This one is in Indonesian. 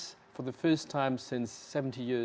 tapi apa perasaan anda